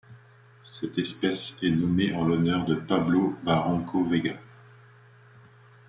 Cette espèce est nommée en l'honneur de Pablo Barranco Vega.